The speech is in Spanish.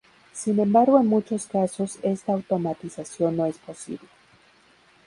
Sin embargo en muchos casos esta automatización no es posible.